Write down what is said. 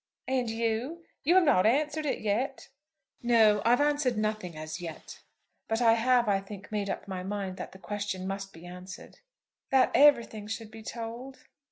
"And you? You have not answered it yet?" "No; I have answered nothing as yet. But I have, I think, made up my mind that the question must be answered." "That everything should be told?"